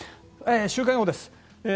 週間予報です。